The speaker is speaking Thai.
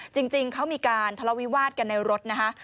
จริงเขามีการทะเลาวิวาสกันในรถนะคะ